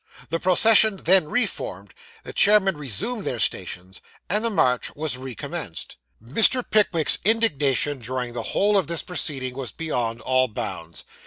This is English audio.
The procession then reformed; the chairmen resumed their stations; and the march was re commenced. Mr. Pickwick's indignation during the whole of this proceeding was beyond all bounds.